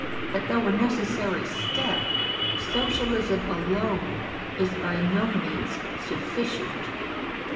But, though a necessary step, Socialism alone is by no means sufficient.